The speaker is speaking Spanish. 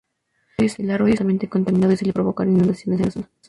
El arroyo se encuentra altamente contaminado y suele provocar inundaciones en la zona.